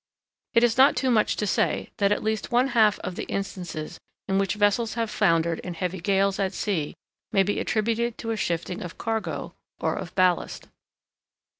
It is not too much to say that at least one half of the instances in which vessels have foundered in heavy gales at sea may be attributed to a shifting of cargo or of ballast.